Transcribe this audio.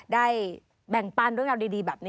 ได้แบ่งปันเรื่องราวดีแบบนี้